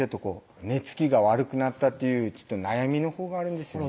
寝つきが悪くなったっていう悩みのほうがあるんですよね